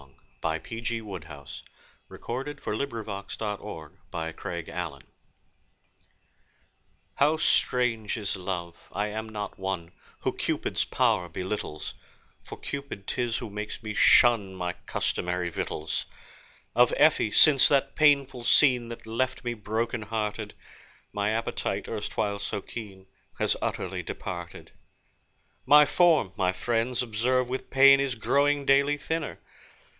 I J . K L . M N . O P . Q R . S T . U V . W X . Y Z The Gourmet's Love Song HOW strange is Love: I am not one Who Cupid's power belittles, For Cupid 'tis who makes me shun My customary victuals. Of, Effie, since that painful scene That left me broken hearted, My appetite, erstwhile so keen, Has utterly departed. My form, my friends observe with pain, Is growing daily thinner.